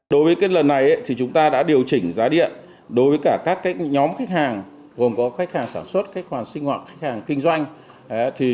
đối với lần này chúng ta đã điều chỉnh giá điện đối với cả các nhóm khách hàng gồm có khách hàng sản xuất khách hàng sinh hoạt khách hàng kinh doanh